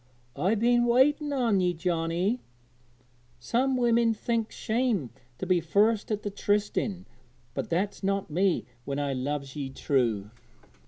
'I've been waiting on ye, Johnnie; some women thinks shame to be first at the trysting, but that's not me when I loves ye true.'